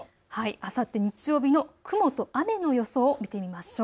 あさって日曜日の雲と雨の予想を見てみましょう。